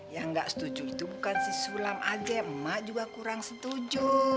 yang gak setuju itu bukan si sulam aja emak juga kurang setuju